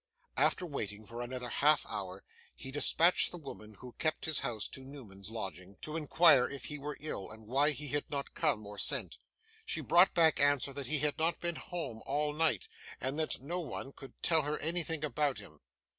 After waiting for another half hour, he dispatched the woman who kept his house to Newman's lodging, to inquire if he were ill, and why he had not come or sent. She brought back answer that he had not been home all night, and that no one could tell her anything about him.